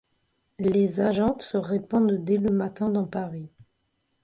Les agents se répandent dès le matin dans Paris.